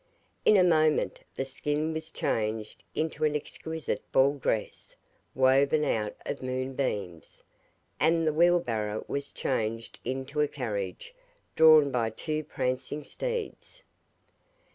In a moment the skin was changed into an exquisite ball dress woven out of moon beams, and the wheel barrow was changed into a carriage drawn by two prancing steeds.